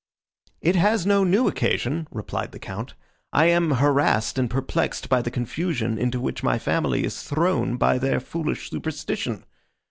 "It has no new occasion," replied the Count; "I am harassed and perplexed by the confusion, into which my family is thrown by their foolish superstition.